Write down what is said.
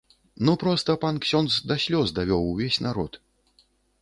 Ну проста пан ксёндз да слёз давёў увесь народ.